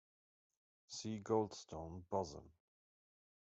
See Goldstone boson.